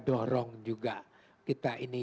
dorong juga kita ini